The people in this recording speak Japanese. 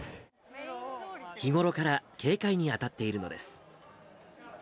日頃から警戒に当たっているのです。